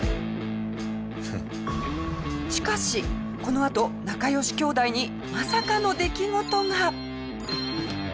しかしこのあと仲良し兄弟にまさかの出来事が！